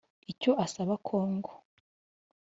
Icyo asaba Congo